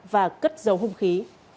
và cất dấu hung khí